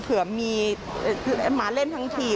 เผื่อมีมาเล่นทั้งที